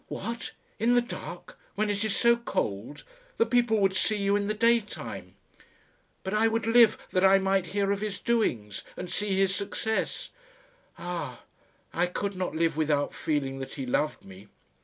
"What! in the dark, when it is so cold? The people would see you in the daytime." "But I would live, that I might hear of his doings, and see his success." "Ah! I could not live without feeling that he loved me."